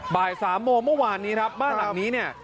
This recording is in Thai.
บ่าย๓โมงเมื่อวานนี้ครับบ้านหลังนี้เนี่ย